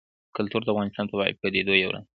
کلتور د افغانستان د طبیعي پدیدو یو رنګ دی.